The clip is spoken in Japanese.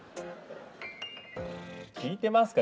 聞いてますか？